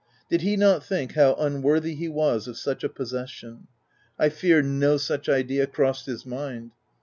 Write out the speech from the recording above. Did he not think how unworthy he was of such a possession ? I fear OF WILDFELL HALL. 253 no such idea crossed his mind.